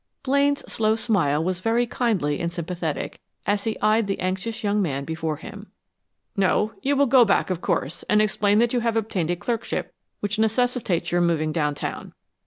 Blaine's slow smile was very kindly and sympathetic as he eyed the anxious young man before him. "No. You will go back, of course, and explain that you have obtained a clerkship which necessitates your moving downtown.